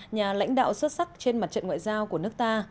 nhà lãnh đạo xuất sắc trên mặt trận ngoại giao của nước ta